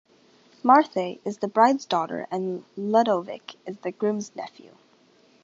Marthe is the bride's daughter and Ludovic is the groom's nephew.